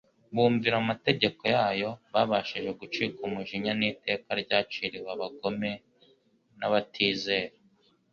bumvira amategeko yayo, babashize gucika umujinya n'iteka ryaciriwe abagome n'abatizera.